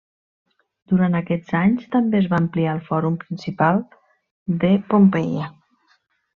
Durant aquests anys també es va ampliar el fòrum principal de Pompeia.